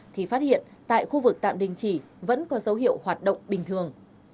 thì phát hiện tại khu vực tạm đình chỉ vẫn có dấu hiệu hoạt động bình thường